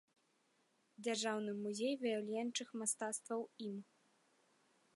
Дзяржаўны музей выяўленчых мастацтваў ім.